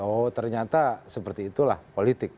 oh ternyata seperti itulah politik